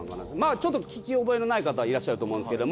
ちょっと聞き覚えのない方いらっしゃると思うんですけど。